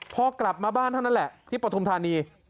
พอกลับมาบ้านเท่านั้นแหละที่ปฐุมธานี